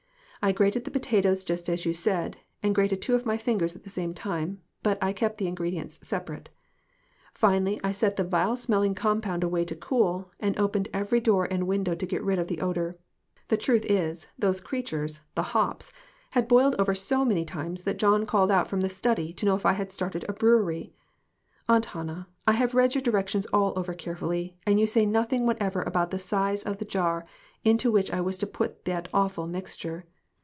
I grated the potatoes just as you said (and grated two of my fingers at the same time, but I kept the ingredients separate). Finally, I set the vile smelling compound away to cool, and opened every door and window to get rid of the odor. The truth is, those creatures the hops had boiled over so many times that John called out from the study to know if I had started a brewery. "Aunt Hannah, I have read your directions all over carefully, and you say nothing whatever about the size of the jar into which I was to put that awful mixture.